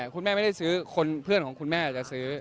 คุณแม่ไม่ได้ซื้อคนเพื่อนของคุณแม่จะซื้อ